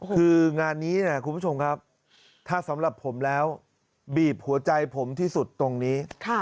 คืองานนี้คุณผู้ชมครับถ้าสำหรับผมแล้วบีบหัวใจผมที่สุดตรงนี้